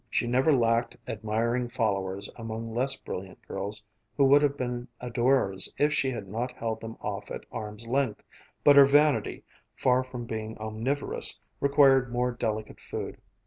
She never lacked admiring followers among less brilliant girls who would have been adorers if she had not held them off at arm's length, but her vanity, far from being omnivorous, required more delicate food.